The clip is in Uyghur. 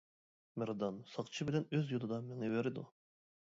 مەردان ساقچى بىلەن ئۆز يولىدا مېڭىۋېرىدۇ.